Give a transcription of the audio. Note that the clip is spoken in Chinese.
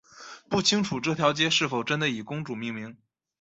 不清楚这条街是否真的以公主命名。